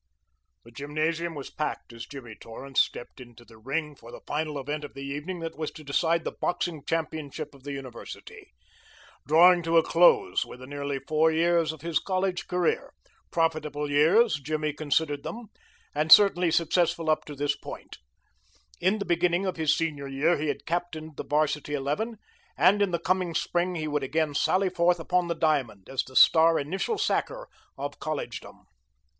The gymnasium was packed as Jimmy Torrance stepped into the ring for the final event of the evening that was to decide the boxing championship of the university. Drawing to a close were the nearly four years of his college career profitable years, Jimmy considered them, and certainly successful up to this point. In the beginning of his senior year he had captained the varsity eleven, and in the coming spring he would again sally forth upon the diamond as the star initial sacker of collegedom.